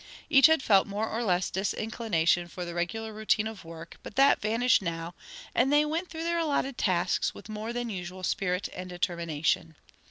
Each had felt more or less disinclination for the regular routine of work, but that vanished now, and they went through their allotted tasks with more than usual spirit and determination.